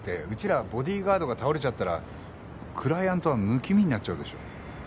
らボディーガードが倒れちゃったらクライアントはむき身になっちゃうでしょ。